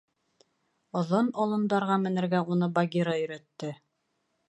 Оҙон олондарға менергә уны Багира өйрәтте.